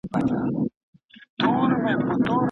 نوي نسلونه به غوره خدمات ولري؟